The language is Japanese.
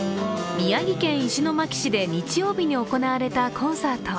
宮城県石巻市で日曜日に行われたコンサート。